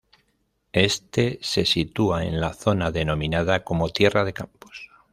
Este se sitúa en la zona denominada como Tierra de Campos.